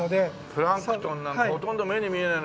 プランクトンなんかほとんど目に見えないのに